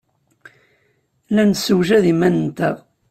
La nessewjad iman-nteɣ.